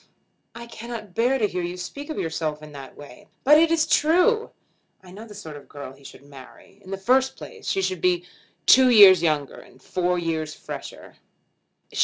"I cannot bear to hear you speak of yourself in that way." "But it is true. I know the sort of girl he should marry. In the first place she should be two years younger, and four years fresher.